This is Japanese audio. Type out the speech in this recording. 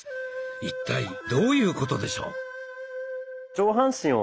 一体どういうことでしょう。